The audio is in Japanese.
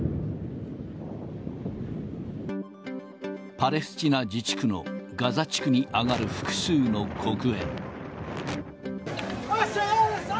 パレスチナ自治区のガザ地区に上がる複数の黒煙。